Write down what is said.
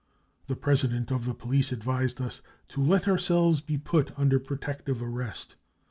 .,. The president of police advised us to let ourselves be put under protective arrest.